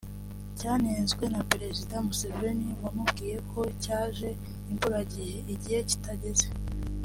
cyanenzwe na Perezida Museveni wamubwiye ko ‘cyaje imburagihe’ (igihe kitageze)